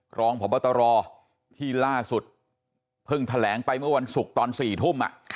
รองพบตรที่ล่าสุดเพิ่งแถลงไปเมื่อวันศุกร์ตอน๔ทุ่ม